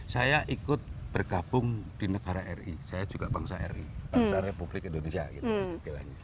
saya ikut bergabung di negara ri saya juga bangsa ri bangsa republik indonesia